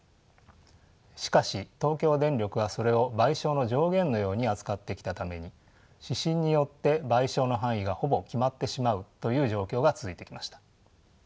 しかし東京電力はそれを賠償の上限のように扱ってきたために指針によって賠償の範囲がほぼ決まってしまうという状況が続いてきました。